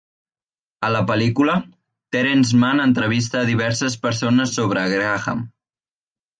A la pel·lícula, Terence Mann entrevista a diverses persones sobre Graham.